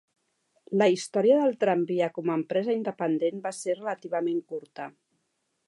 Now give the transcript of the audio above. La història del tramvia com a empresa independent va ser relativament curta.